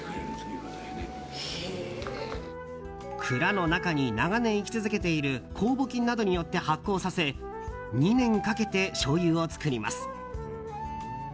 蔵の中に長年生き続けている酵母菌などによって発酵させ２年かけてしょうゆを造ります。